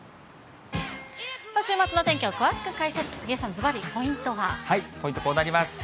週末のお天気を詳しく解説、ポイントはこうなります。